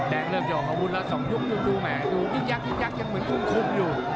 แดงเริ่มจะออกอาวุธละ๒ยุคดูแม่ดูยิ่งยักษ์ยิ่งยักษ์ยังเหมือนคุ้มคุ้มอยู่